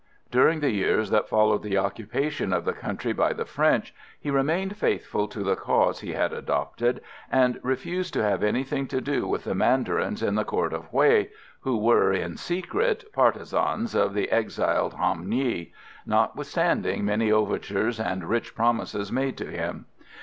During the years that followed the occupation of the country by the French, he remained faithful to the cause he had adopted, and refused to have anything to do with the mandarins at the court at Hué, who were, in secret, partisans of the exiled Ham Nghi, notwithstanding many overtures and rich promises made to him.